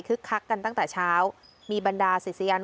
คึกคักกันตั้งแต่เช้า